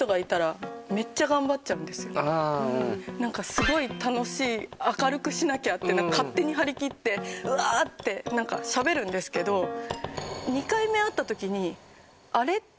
すごい楽しい明るくしなきゃって勝手に張り切ってうわーってしゃべるんですけど２回目会った時に。